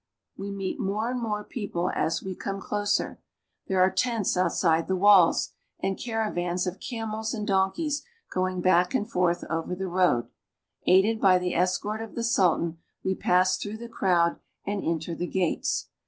1 We meet more and more people as we come ukiscr. There are tents outside the walls, and caravans of camels and donkeys going back and forth over the road. Aided by the escort of the Sultan we pass through the crowd and enter the gates.